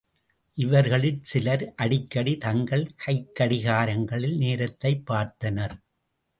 இவர்களிற் சிலர் அடிக்கடி தங்கள் கைக்கடிகாரங்களில் நேரத்தைப் பார்த்தனர்.